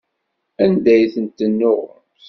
Anda ay tent-tennuɣemt?